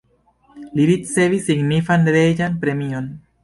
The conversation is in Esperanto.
Li ricevis signifan reĝan premion.